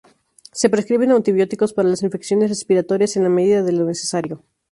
Se prescriben antibióticos para las infecciones respiratorias en la medida de lo necesario.